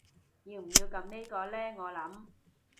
要唔要撳呢個呢我諗